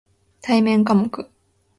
対面科目